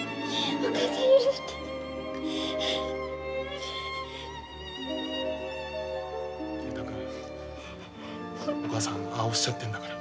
お母さんああおっしゃってるんだから。